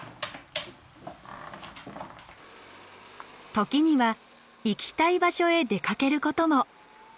ときには行きたい場所へ出かけることも。